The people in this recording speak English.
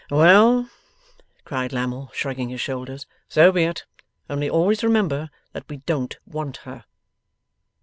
'Well!' cried Lammle, shrugging his shoulders, 'so be it: only always remember that we don't want her.